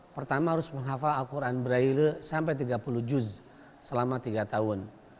pertama harus menghafal al quran braille sampai tiga puluh juz selama tiga tahun